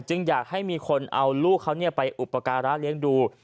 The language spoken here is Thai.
จึงอยากให้มีคนเอาลูกเขาไปอุปกรณ์ร้านเลี้ยงดู